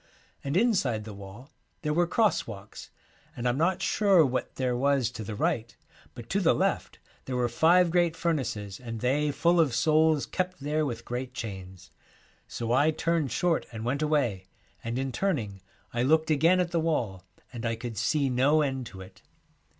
And inside the wall there were cross walks, and I'm not sure what there was to the right, but to the left there were five great fur naces, and they full of souls kept there with great chains. So I turned short and went away, and in turning I looked again at the wall, and I could see no end to it.